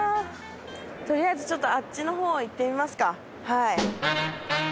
とりあえずちょっとあっちのほう行ってみますか。